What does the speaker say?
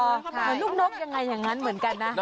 เหมือนลูกนกยังไงอย่างนั้นเหมือนกันนะ